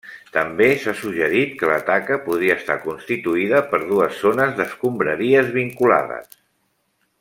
També s'ha suggerit que la taca podria estar constituïda per dues zones d'escombraries vinculades.